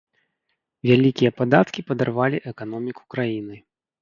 Вялікія падаткі падарвалі эканоміку краіны.